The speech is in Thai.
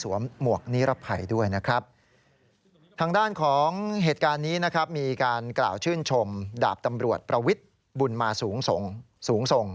วิทย์บุญมาสูงส่ง